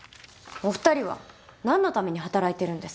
お２人は何のために働いてるんですか？